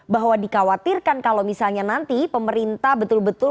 bahwa dikhawatirkan kalau misalnya nanti pemerintah betul betul